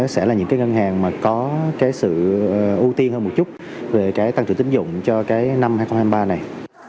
sẽ là những ngân hàng có sự ưu tiên hơn một chút về tăng trưởng tính dụng cho năm hai nghìn hai mươi ba này